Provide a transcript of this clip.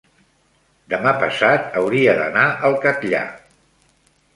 demà passat hauria d'anar al Catllar.